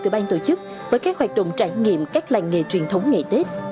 bằng tổ chức với các hoạt động trải nghiệm các làng nghề truyền thống ngày tết